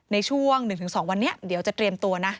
ในช่วงหนึ่งถึงสองวันนี้เดี๋ยวจะเตรียมตัวนะ